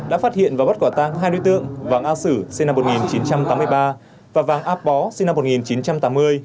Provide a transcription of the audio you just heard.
đã phát hiện và bắt quả tang hai đối tượng vàng a sử sinh năm một nghìn chín trăm tám mươi ba và vàng a bó sinh năm một nghìn chín trăm tám mươi